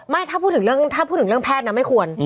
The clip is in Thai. ถ้าพูดถึงถ้าพูดถึงเรื่องแพทย์นะไม่ควร